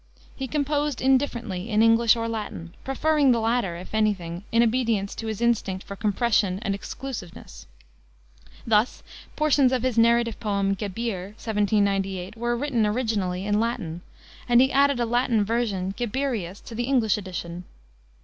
He composed, indifferently, in English or Latin, preferring the latter, if any thing, in obedience to his instinct for compression and exclusiveness. Thus portions of his narrative poem, Gebir, 1798, were written originally in Latin, and he added a Latin version, Gebirius, to the English edition.